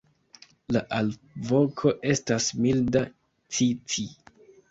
La alvoko estas milda "ci-ci".